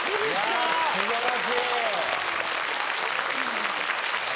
素晴らしい。